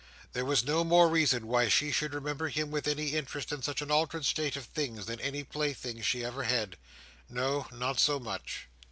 There was no more reason why she should remember him with any interest in such an altered state of things, than any plaything she ever had. No, not so much.